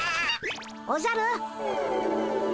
おじゃる。